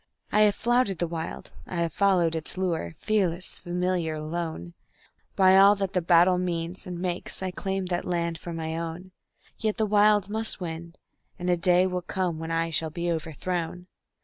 I have flouted the Wild. I have followed its lure, fearless, familiar, alone; By all that the battle means and makes I claim that land for mine own; Yet the Wild must win, and a day will come when I shall be overthrown.